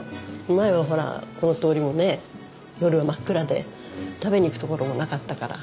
前はほらこの通りもね夜真っ暗で食べに行く所もなかったから。